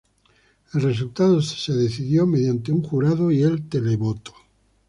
El resultado se decidió mediante un jurado y el televoto.